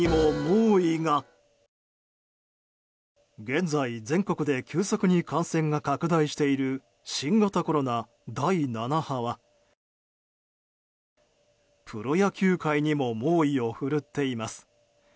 現在、全国で急速に感染が拡大している新型コロナ第７波はプロ野球界にも猛威を振るっています。